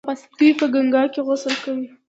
دوی په ګنګا کې غسل کوي.